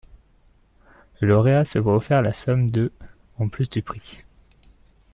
Le lauréat se voit offert la somme de en plus du prix.